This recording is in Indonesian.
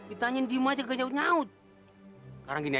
ada apa sama orang tua kamu